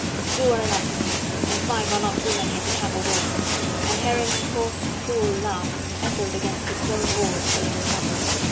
"Two are enough for me, and five are not too many at the chapel door." And Heron's coarse, cruel laugh echoed against the stone walls of the little chapel.